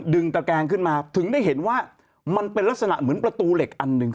ตะแกงขึ้นมาถึงได้เห็นว่ามันเป็นลักษณะเหมือนประตูเหล็กอันหนึ่ง